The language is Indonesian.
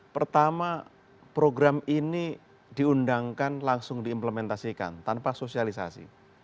pertama program ini diundangkan langsung diimplementasikan tanpa sosialisasi